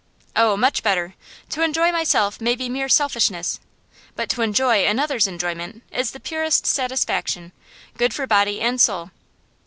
'Oh, much better! To enjoy myself may be mere selfishness, but to enjoy another's enjoyment is the purest satisfaction, good for body and soul.